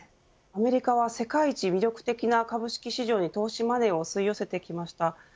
アメリカは世界一魅力的な株式市場に投資マネーを吸い寄せてきました。